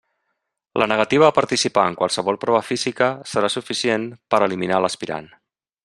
La negativa a participar en qualsevol prova física serà suficient per a eliminar l'aspirant.